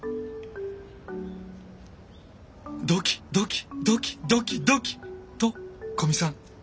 ドキドキドキドキドキと古見さん。